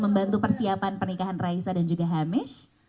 membantu persiapan pernikahan raisa dan juga hamish